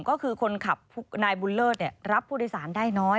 ก็คือคนขับนายบุญเลิศรับผู้โดยสารได้น้อย